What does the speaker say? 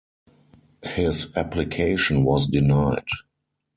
His application was denied.